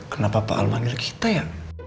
kenapa pak al manir kita ya